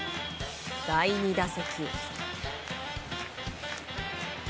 第２打席。